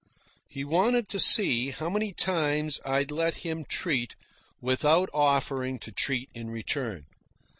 He wanted to see how many times I'd let him treat without offering to treat in return.